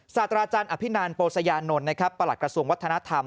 สาธาราชาณอภินาลโปรสยานนท์ประหลักกระทรวงวัฒนธรรม